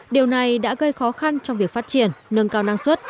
điều này đã gây khó khăn trong việc phát triển nâng cao năng suất